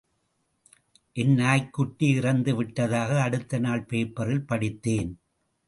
என் நாய்க்குட்டி இறந்து விட்டதாக அடுத்த நாள் பேப்பரில் படித்தேன்.